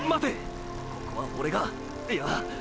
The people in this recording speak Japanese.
ここはオレがいや！！